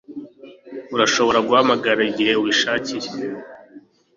Urashobora guhamagara igihe ubishakiye